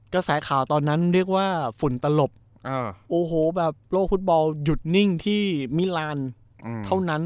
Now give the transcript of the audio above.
กระแสข่าวตอนนั้นเรียกว่าฝุ่นตลบโอ้โหแบบโลกฟุตบอลหยุดนิ่งที่มิลานเท่านั้น